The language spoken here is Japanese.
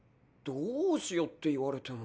「どうしよう」って言われても。